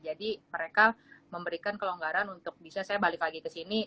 jadi mereka memberikan kelonggaran untuk bisa saya balik lagi ke sini